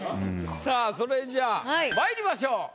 さあそれじゃあまいりましょう。